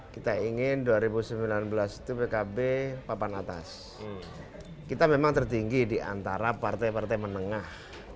kita ingin dua ribu sembilan belas itu pkb papan atas kita memang tertinggi di antara partai partai menengah